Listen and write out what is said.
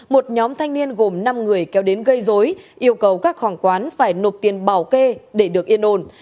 một nhóm thanh niên gồm năm người kéo đến gây dối yêu cầu các hoàng quán phải nộp tiền bảo kê để được yên ổn